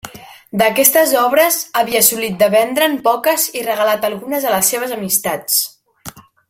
D'aquestes obres, havia assolit de vendre'n poques i regalat algunes a les seves amistats.